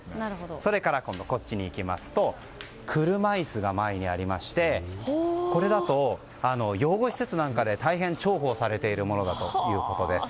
それから車椅子が前にありましてこれだと、養護施設なんかで大変重宝されているものだということです。